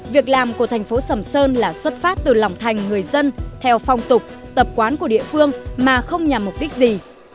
việc làm của thành phố sầm sơn là xuất phát từ lòng thành người dân theo phong tục tập quán của địa phương mà không nhằm mục đích gì